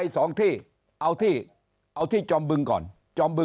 สวัสดีผมครับ